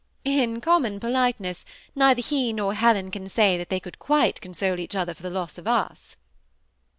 ''In common politeness, neither he nor Helen can say that they could quite console each other for the loss of us."